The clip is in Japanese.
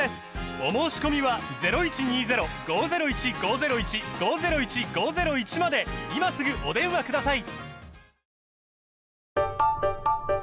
お申込みは今すぐお電話ください